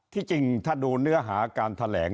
จริงถ้าดูเนื้อหาการแถลง